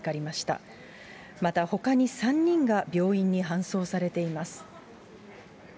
また、ほかに３人が病院に搬送されています。